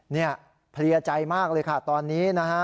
เนี่ยเพลียใจมากเลยค่ะตอนนี้นะฮะ